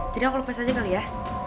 jadinya aku lepas aja kali ya